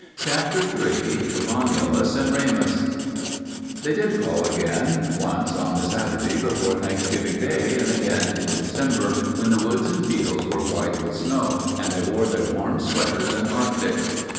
CHAPTER III ROMULUS AND REMUS They did call again, once on the Saturday before Thanksgiving Day and again in December, when the woods and fields were white with snow and they wore their warm sweaters and arctics.